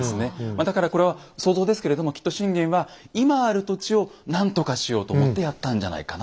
まあだからこれは想像ですけれどもきっと信玄は今ある土地を何とかしようと思ってやったんじゃないかなと。